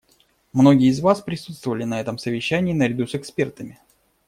Многие из вас присутствовали на этом совещании наряду с экспертами.